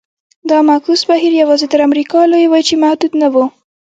دا معکوس بهیر یوازې تر امریکا لویې وچې محدود نه و.